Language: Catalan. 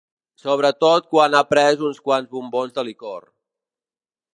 Sobretot quan ha pres uns quants bombons de licor.